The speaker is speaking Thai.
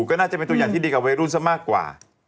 ก็น่าจะเป็นตัวอย่างที่ดีกับวัยรุ่นซะมากกว่า